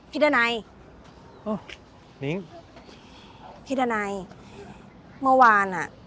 พี่ด่านัยอ้อนิ้งพี่ด่านัยเมื่อวานอ่ะ